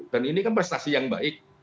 dan ini kan prestasi yang baik